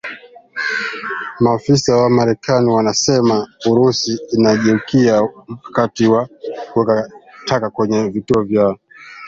Maafisa wa marekani wanasema Urusi inageukia mkakati wa kuweka taka kwenye vituo vya